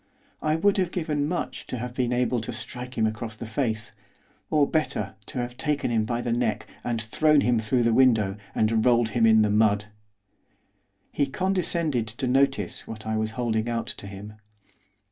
I would have given much to have been able to strike him across the face, or, better, to have taken him by the neck, and thrown him through the window, and rolled him in the mud. He condescended to notice what I was holding out to him.